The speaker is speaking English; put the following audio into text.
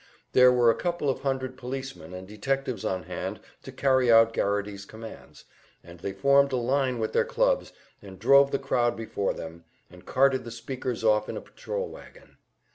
There were a couple of hundred policemen and detectives on hand to carry out Garrity's commands, and they formed a line with their clubs, and drove the crowd before them, and carted the speakers off in a patrol wagon.